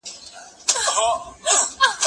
کېدای سي کالي لمد وي؟